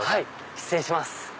失礼します。